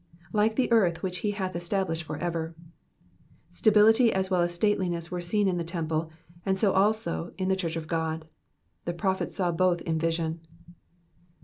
^^Like the earth which he hath establisJied far «?«•." Stability as well as stateliness were seen in the temple, and so also in the church of Qod. The prophet saw both in vision.